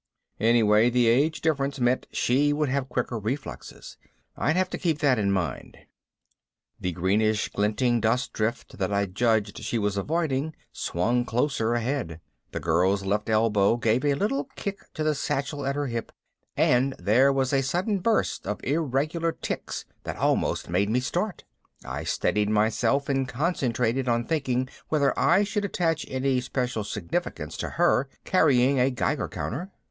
Anyway, the age difference meant she would have quicker reflexes. I'd have to keep that in mind. The greenishly glinting dust drift that I'd judged she was avoiding swung closer ahead. The girl's left elbow gave a little kick to the satchel on her hip and there was a sudden burst of irregular ticks that almost made me start. I steadied myself and concentrated on thinking whether I should attach any special significance to her carrying a Geiger counter.